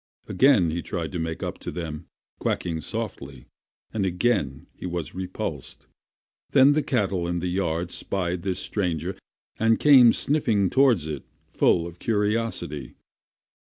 Again he tried to make up to them, quacking softly, and again he was repulsed. Then the cattle in the yard spied this strange creature and came sniffing toward it, full of curiosity.